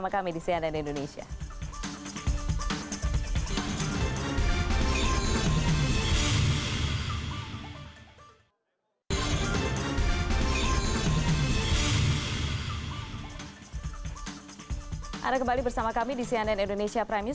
kita sekarang jeda dulu